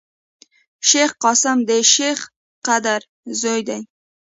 شېخ قاسم دشېخ قدر زوی دﺉ.